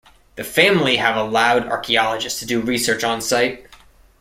The family have allowed archaeologists to do research on site.